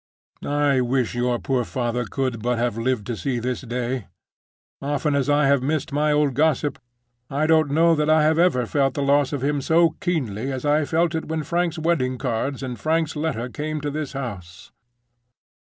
I wish your poor father could but have lived to see this day! Often as I have missed my old gossip, I don't know that I ever felt the loss of him so keenly as I felt it when Frank's wedding cards and Frank's letter came to this house.